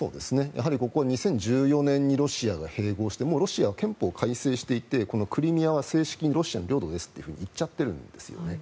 やはりここは２０１４年にロシアが併合してもうロシアは憲法改正していてこのクリミアは正式にロシアの領土ですって言っちゃってるんですね。